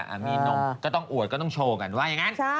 มีนมก็ต้องอวดก็ต้องโชว์กันว่าอย่างนั้น